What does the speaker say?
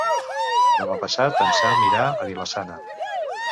Demà passat en Sam irà a Vila-sana.